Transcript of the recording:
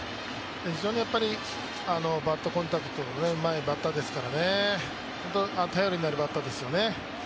非常にバットコンタクトがうまいバッターですからね、頼りになるバッターですよね。